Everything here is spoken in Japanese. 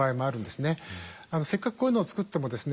せっかくこういうのを作ってもですね